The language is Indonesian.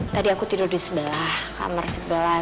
tadi aku tidur di sebelah kamar si sebelah